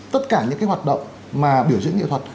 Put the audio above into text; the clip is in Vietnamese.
tất cả những cái hoạt động mà biểu diễn nghệ thuật